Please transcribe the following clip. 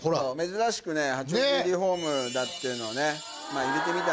珍しくね八王子リホームだっていうのをね入れてみたんだよね。